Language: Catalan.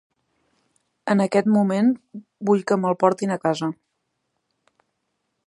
En aquest moment vull que me'l portin a casa.